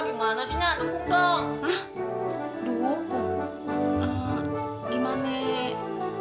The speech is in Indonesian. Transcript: gimana sih nyat dukung dong